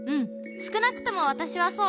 すくなくともわたしはそう。